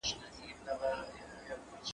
زه به سبا لوبه وکړم!.